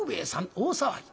大騒ぎ。